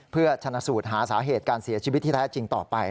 เพื่อชนะสูตรหาสาเหตุการเสียชีวิตที่แท้จริงต่อไป